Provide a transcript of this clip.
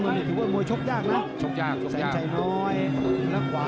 รอติดตามชมทุกวันเสาร์กับที่ตรงนี้ครับ